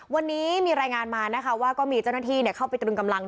วันนี้มีรายงานมานะคะว่าก็มีเจ้าหน้าที่เข้าไปตรึงกำลัง